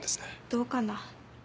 どうかな。